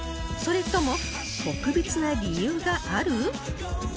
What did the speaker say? それとも特別な理由がある？